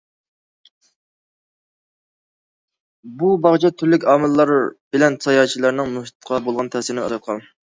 بۇ باغچە تۈرلۈك ئاماللار بىلەن ساياھەتچىلەرنىڭ مۇھىتقا بولغان تەسىرىنى ئازايتقان.